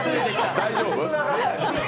大丈夫？